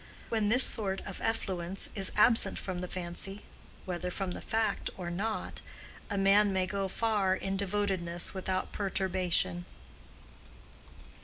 When this sort of effluence is absent from the fancy (whether from the fact or not) a man may go far in devotedness without perturbation.